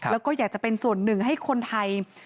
แล้วก็อยากจะเป็นส่วนหนึ่งให้คนไทย